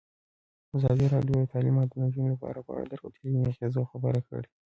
ازادي راډیو د تعلیمات د نجونو لپاره په اړه د روغتیایي اغېزو خبره کړې.